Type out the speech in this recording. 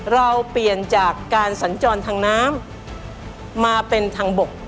เราเปลี่ยนจากการสัญจรทางน้ำมาเป็นทางบก